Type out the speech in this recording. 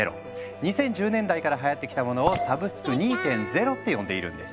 ２０１０年代からはやってきたものを「サブスク２．０」って呼んでいるんです。